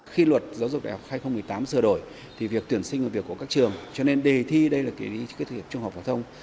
khi luật giáo dục đại học hai nghìn một mươi tám sửa đổi thì việc tuyển sinh là việc của các trường cho nên đề thi đây là kỳ thi trung học phổ thông